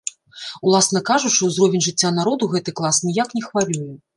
Уласна кажучы, узровень жыцця народу гэты клас ніяк не хвалюе.